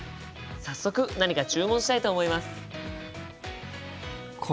早速何か注文したいと思います。